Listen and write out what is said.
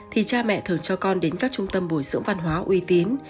thì cha mẹ thường cho con đến các trung tâm bồi dưỡng văn hóa uy tín